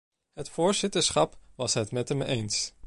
Het voorzitterschap was het met hem eens.